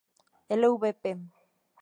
L V.p.